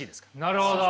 なるほど。